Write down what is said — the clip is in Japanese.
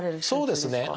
そうですね。